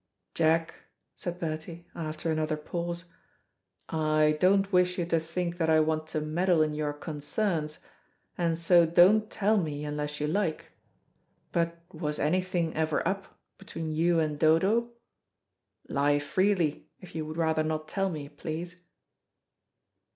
"Jack," said Bertie after another pause, "I don't wish you to think that I want to meddle in your concerns, and so don't tell me unless you like, but was anything ever up between you and Dodo? Lie freely if you would rather not tell me, please."